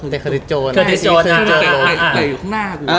เตะเครติศโจร